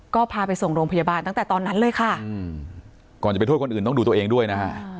ก็พาไปส่งโรงพยาบาลตั้งแต่ตอนนั้นเลยค่ะก่อนจะไปโทษคนอื่นต้องดูตัวเองด้วยนะฮะ